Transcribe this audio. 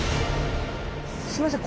すいません。